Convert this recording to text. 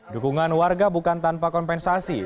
dukungan warga bukan tanpa kompensasi